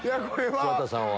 桑田さんは。